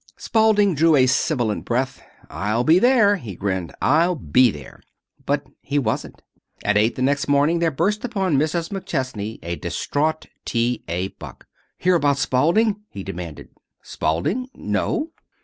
Spalding drew a sibilant breath. "I'll be there!" he grinned. "I'll be there!" But he wasn't. At eight the next morning there burst upon Mrs. McChesney a distraught T. A. Buck. "Hear about Spalding?" he demanded. "Spalding? No."